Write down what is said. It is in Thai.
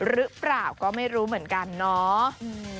หรือเปล่าก็ไม่รู้เหมือนกันเนาะ